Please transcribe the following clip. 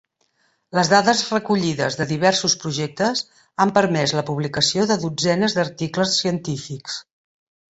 Les dades recollides de diversos projectes ha permès la publicació de dotzenes d'articles científics.